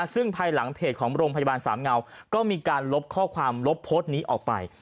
ซึ่งภายหลังเพจของโรงพยาบาลสามเงาก็มีการลบข้อความลบโพสต์นี้ออกไป